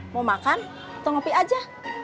mau makan atau ngopi aja